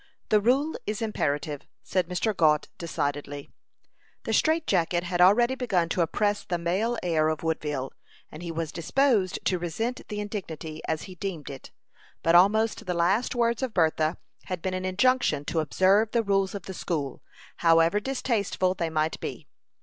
"The rule is imperative," said Mr. Gault, decidedly. The strait jacket had already begun to oppress the male heir of Woodville, and he was disposed to resent the indignity, as he deemed it; but almost the last words of Bertha had been an injunction to observe the rules of the school, however distasteful they might be.